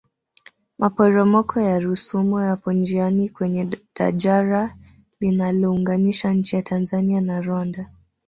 maporomoko ya rusumo yapo njiani kwenye dajara linalounganisha nchi ya tanzania na rwanda